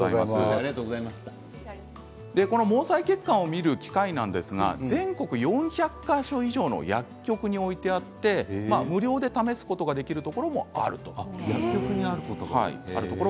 毛細血管を見る機械ですが全国４００か所以上の薬局に置いてあって無料で試すことができることもあるということです。